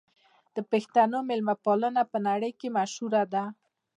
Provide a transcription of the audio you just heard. د پښتنو مېلمه پالنه په نړۍ کې مشهوره ده.